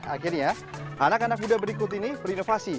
akhirnya anak anak muda berikut ini berinovasi